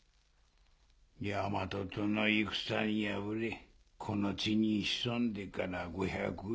大和との戦に敗れこの地に潜んでから五百有余年。